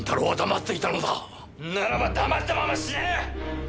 ならば黙ったまま死ね！